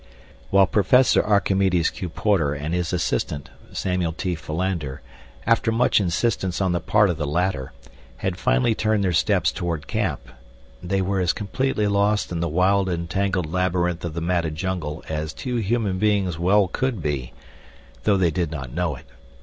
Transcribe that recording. When Professor Archimedes Q. Porter and his assistant, Samuel T. Philander, after much insistence on the part of the latter, had finally turned their steps toward camp, they were as completely lost in the wild and tangled labyrinth of the matted jungle as two human beings well could be, though they did not know it.